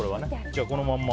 じゃあ、このまま。